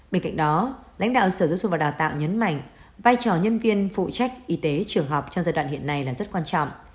bên cạnh đó lãnh đạo sở giáo dục và đào tạo nhấn mạnh vai trò nhân viên phụ trách y tế trường học trong giai đoạn hiện nay là rất quan trọng